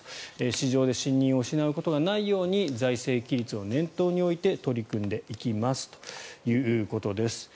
市場で信任を失うことがないように財政規律を念頭に置いて取り組んでいきますということです。